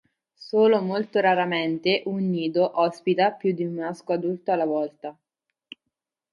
Solo molto raramente un nido ospita più di un maschio adulto alla volta.